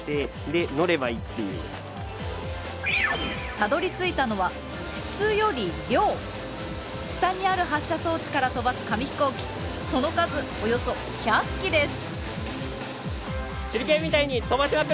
たどりついたのは下にある発射装置から飛ばす紙ヒコーキその数およそ１００機です！